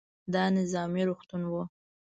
دا نظامي روغتون و.